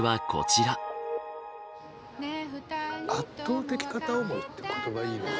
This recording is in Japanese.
「圧倒的片思い」って言葉いいよね。